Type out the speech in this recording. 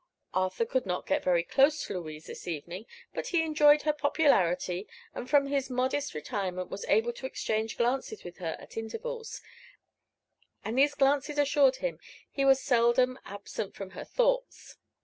Arthur could not get very close to Louise this evening; but he enjoyed her popularity and from his modest retirement was able to exchange glances with her at intervals, and these glances assured him he was seldom absent from her thoughts.